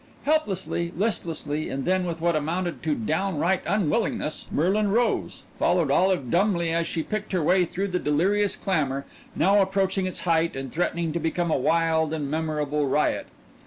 Helplessly, listlessly, and then with what amounted to downright unwillingness, Merlin rose, followed Olive dumbly as she picked her way through the delirious clamor, now approaching its height and threatening to become a wild and memorable riot.